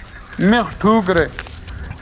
مِخ ٹھوک رے